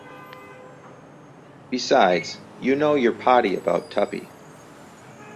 Besides, you know you're potty about Tuppy.